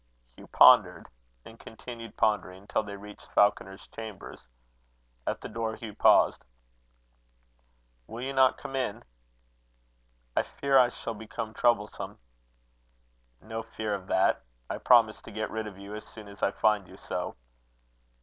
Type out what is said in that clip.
Hugh pondered, and continued pondering till they reached Falconer's chambers. At the door Hugh paused. "Will you not come in?" "I fear I shall become troublesome." "No fear of that. I promise to get rid of you as soon as I find you so."